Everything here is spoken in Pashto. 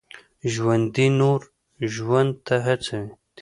ژوندي نور ژوند ته هڅوي